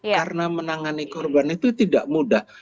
karena menangani korban itu tidak mudah